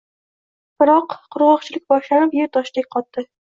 Biroq... Qurg’oqchilik boshlanib, yer toshdek qotdi.